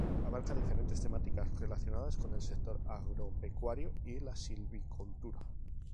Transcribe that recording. Abarca diferentes temáticas relacionadas con el sector agropecuario y la silvicultura.